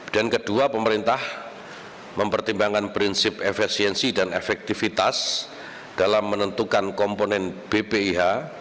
dan kedua pemerintah mempertimbangkan prinsip efesiensi dan efektivitas dalam menentukan komponen bpih